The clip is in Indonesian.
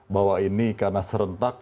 bahwa ini karena serentak